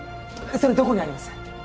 それどこにあります？